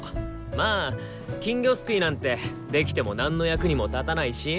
まあ金魚すくいなんてできてもなんの役にも立たないし。